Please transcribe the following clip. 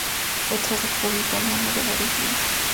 Fue traductor al italiano de varios libros.